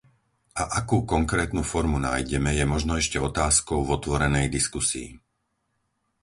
A akú konkrétnu formu nájdeme, je možno ešte otázkou v otvorenej diskusii.